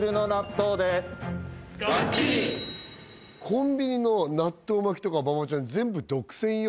コンビニの納豆巻きとか馬場ちゃん全部独占よ